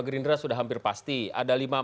gerindra sudah hampir pasti ada